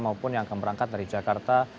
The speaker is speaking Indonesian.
maupun yang akan berangkat dari jakarta